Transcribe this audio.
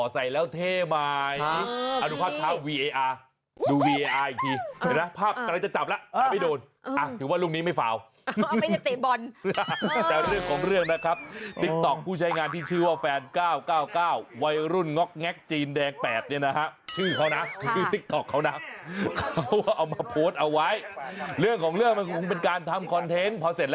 แต่เขาบอกว่าถึงจะซองอย่างแบบแต่ลองแซ่ดก็ซื้อนะจ๊ะ